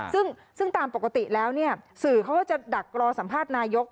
ซึ่งตามปกติแล้วสื่อเขาก็จะดักรอสัมภาษณ์นายก